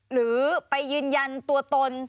หรือไปยืนยันตัวตน